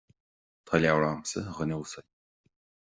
Tá leabhar agamsa, a dhuine uasail